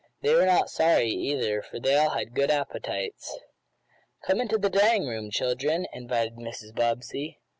They were not sorry, either, for they all had good appetites. "Come into the dining room, children," invited Mrs. Bobbsey.